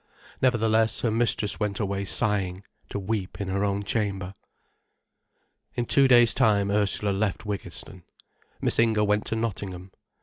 Nevertheless her mistress went away sighing, to weep in her own chamber. In two days' time Ursula left Wiggiston. Miss Inger went to Nottingham.